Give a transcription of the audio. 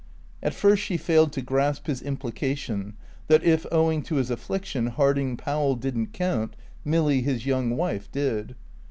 At first she failed to grasp his implication that if, owing to his affliction, Harding Powell didn't count, Milly, his young wife did.